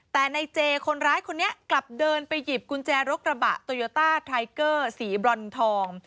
แต่ในเจคนร้ายคนนี้กลับเดินไปหยิบกุญแจรถกระบะโตโยต้าไทเกอร์สีบรอนทอง